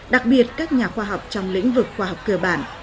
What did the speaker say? đặc biệt các nhà khoa học trong lĩnh vực khoa học cơ bản